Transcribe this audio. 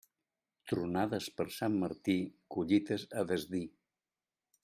Tronades per Sant Martí, collites a desdir.